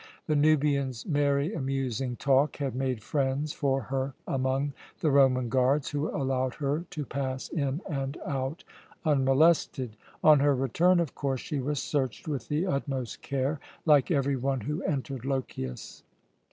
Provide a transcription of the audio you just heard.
The Nubian's merry, amusing talk had made friends for her among the Roman guards, who allowed her to pass in and out unmolested. On her return, of course, she was searched with the utmost care, like every one who entered Lochias.